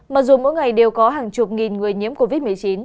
mặc dù mỗi ngày đều có hàng chục nghìn người nhiễm covid một mươi chín